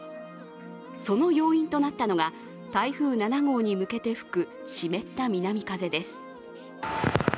その要因となったのが、台風７号に向けて吹く湿った南風です。